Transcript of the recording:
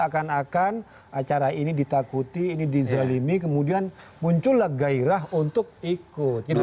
jadi sekarang acara ini ditakuti ini dizalimi kemudian muncullah gairah untuk ikut